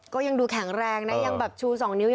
ก็ยังดูแข็งแรงนะยังแบบชู๒นิ้ว